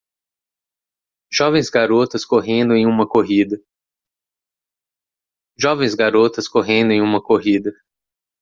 Jovens garotas correndo em uma corrida.